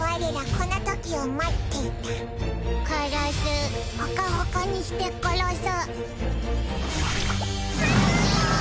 この時を待っていた殺すホカホカにして殺す覚悟！